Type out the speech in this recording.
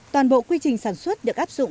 toàn bộ quy trình sản xuất được áp dụng